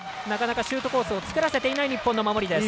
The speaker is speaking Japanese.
なかなかシュートコースを作らせていない日本の守り。